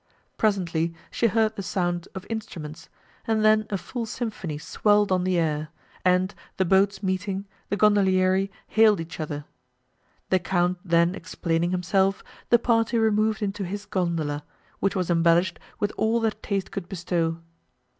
Presently she heard the sound of instruments, and then a full symphony swelled on the air, and, the boats meeting, the gondolieri hailed each other. The Count then explaining himself, the party removed into his gondola, which was embellished with all that taste could bestow.